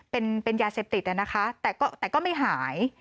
เป็นยาเสพติดนะคะแต่ก็ไม่หาย